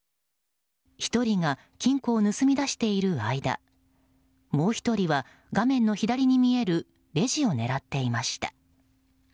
１人が金庫を盗み出している間もう１人は、画面の左に見えるレジを狙っていました。